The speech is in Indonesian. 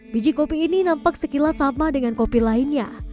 biji kopi ini nampak sekilas sama dengan kopi lainnya